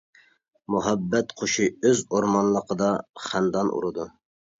مۇھەببەت قۇشى ئۆز ئورمانلىقىدا خەندان ئۇرىدۇ.